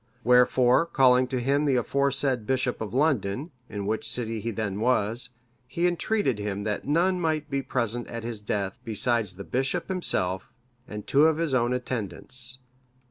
Wherefore, calling to him the aforesaid bishop of London, in which city he then was, he entreated him that none might be present at his death, besides the bishop himself, and two of his own attendants.